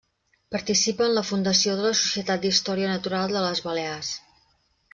Participa en la fundació de la Societat d’Història Natural de les Balears.